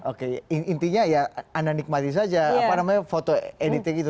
oke intinya ya anda nikmati saja apa namanya foto editing itu